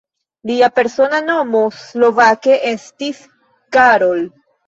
Lia persona nomo slovake estis "Karol".